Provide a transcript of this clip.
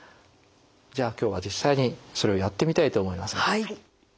じゃあ今日は実際にそれをやってみたいと思います。